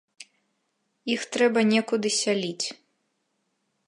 Іх трэба некуды сяліць.